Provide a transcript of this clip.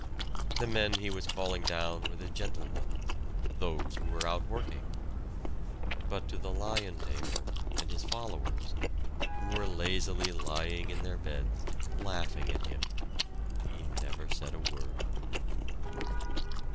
The men he was calling down were the gentle ones, those who were out working. But to the "lion tamer" and his followers, who were lazily lying in their beds, laughing at him, he said never a word.